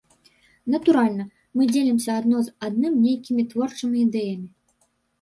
Натуральна, мы дзелімся адно з адным нейкімі творчымі ідэямі.